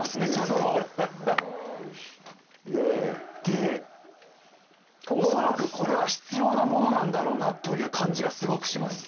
そうねえで恐らくこれは必要なモノなんだろうなという感じがすごくします